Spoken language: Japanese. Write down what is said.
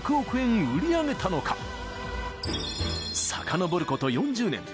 ［さかのぼること４０年］